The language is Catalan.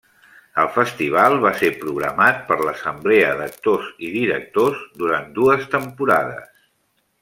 El festival va ser programat per l'Assemblea d'Actors i Directors durant dues temporades.